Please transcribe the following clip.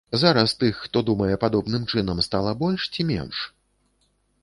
Зараз тых, хто думае падобным чынам, стала больш ці менш?